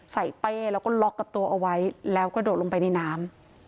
เป้แล้วก็ล็อกกับตัวเอาไว้แล้วกระโดดลงไปในน้ำ